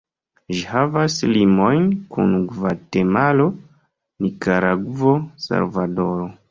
Ĝi havas limojn kun Gvatemalo, Nikaragvo, Salvadoro.